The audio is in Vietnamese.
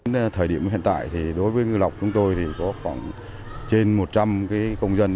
trên thời điểm hiện tại đối với ngư lọc chúng tôi có khoảng trên một trăm linh công dân